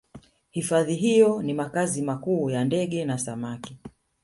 hifadhi hiyo ni makazi makuu ya ndege na samaki